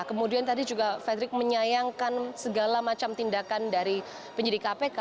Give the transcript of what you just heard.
kemudian tadi juga fredrik menyayangkan segala macam tindakan dari penyidik kpk